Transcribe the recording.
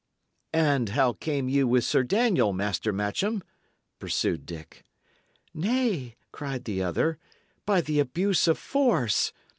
"And how came ye with Sir Daniel, Master Matcham?" pursued Dick. "Nay," cried the other, "by the abuse of force!